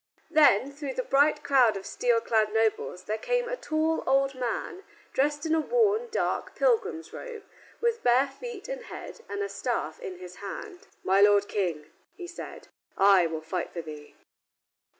Then through the bright crowd of steel clad nobles there came a tall old man, dressed in a worn, dark, pilgrim's robe, with bare feet and head, and a staff in his hand. "My Lord King," he said, "I will fight for thee."